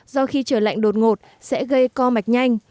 do khi trời lạnh đột ngột sẽ gây co mạch nhanh